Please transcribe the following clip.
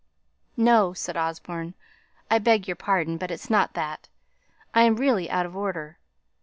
"No," said Osborne, "I beg your pardon; but it's not that; I am really out of order.